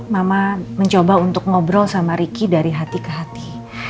mama mencoba untuk ngobrol sama ricky dari hati ke hati